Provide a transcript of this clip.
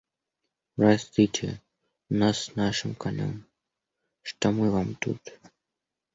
Простите нас с нашим конем, что мы Вам тут.